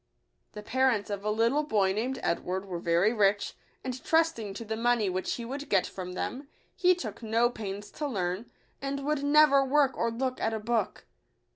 HE parents of a little boy named Edward were very rich ; and trust ing to the money which he would get from them, he took no pains to learn, and would never work or look at a book.